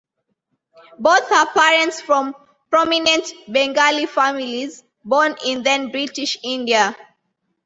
Both her parents from prominent Bengali families born in then British India.